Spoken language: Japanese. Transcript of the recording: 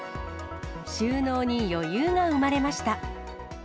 収納に余裕が生まれました。